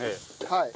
はい。